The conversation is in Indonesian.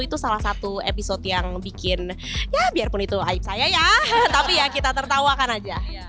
itu salah satu episode yang bikin ya biarpun itu aib saya ya tapi ya kita tertawakan aja